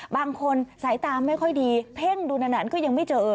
บางคนสายตาไม่ค่อยดีเพ่งดูนานก็ยังไม่เจอ